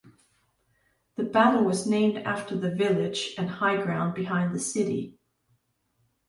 The battle was named after the village and high ground behind the city.